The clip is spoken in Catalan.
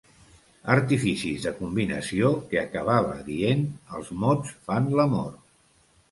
Artificis de combinació que acabava dient «els mots fan l'amor».